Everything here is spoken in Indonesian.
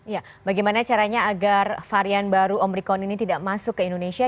ya bagaimana caranya agar varian baru omikron ini tidak masuk ke indonesia